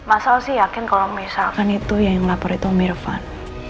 masal sih yakin kalau misalkan itu yang ngelapor itu mirvan